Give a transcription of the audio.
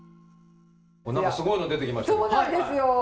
何かすごいの出てきましたけど。